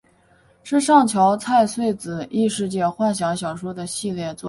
是上桥菜穗子异世界幻想小说的系列作品。